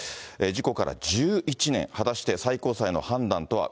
事故から１１年、果たして最高裁の判断とは。